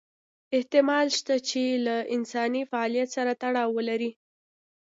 احتمال شته چې له انساني فعالیت سره تړاو ولري.